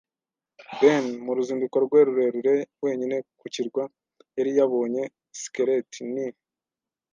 Ben, mu ruzinduko rwe rurerure, wenyine ku kirwa, yari yabonye skeleti - ni